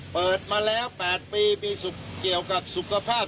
เปิดมาแล้ว๘ปีมีเกี่ยวกับสุขภาพ